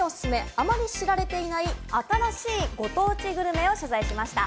あまり知られていない新しいご当地グルメを取材しました。